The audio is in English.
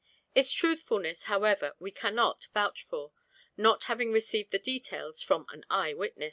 Its truthfulness, however, we cannot vouch for, not having received the details from an eye witness.